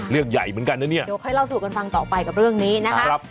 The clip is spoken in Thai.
เรื่องใหญ่เหมือนกันนะเนี่ยเดี๋ยวค่อยเล่าสู่กันฟังต่อไปกับเรื่องนี้นะครับ